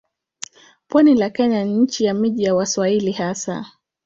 Pwani la Kenya ni nchi ya miji ya Waswahili hasa.